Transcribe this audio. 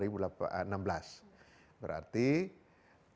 berarti masuk di akal dong